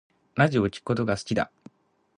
ラジオを聴くことが好きだ